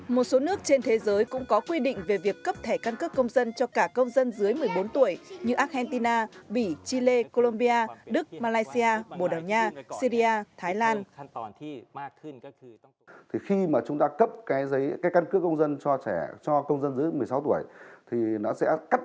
một số nước trên thế giới cũng có quy định về việc cấp thẻ căn cước công dân cho cả công dân dưới một mươi bốn tuổi như argentina bỉ chile colombia đức malaysia bồ đào nha syria thái lan